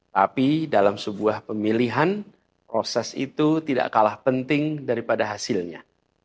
tapi dalam sebuah pemilihan proses itu tidak kalah penting daripada hasilnya